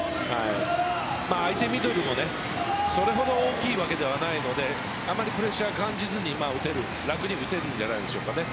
相手ミドルもそれほど大きいわけじゃないのであまりプレッシャーを感じずに楽に打てるんじゃないでしょうか。